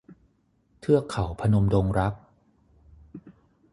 เทือกเขาพนมดงรัก